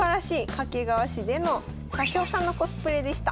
掛川市での車掌さんのコスプレでした。